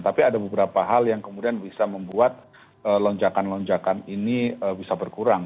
tapi ada beberapa hal yang kemudian bisa membuat lonjakan lonjakan ini bisa berkurang